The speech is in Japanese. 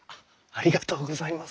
ありがとうございます。